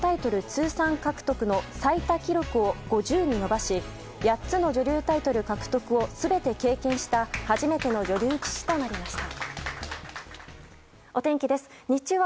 通算獲得の最多記録を５０に伸ばし８つの女流タイトル獲得を全て経験した初めての女流棋士となりました。